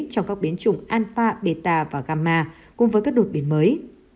trong các biến chủng alpha beta và gama cùng với các đột biến mới